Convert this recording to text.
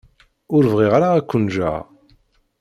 Ur bɣiɣ ara ad ken-ǧǧeɣ.